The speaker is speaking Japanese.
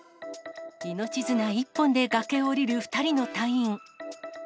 命綱一本で崖を降りる２人の隊員。